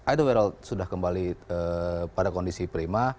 edouard sudah kembali pada kondisi prima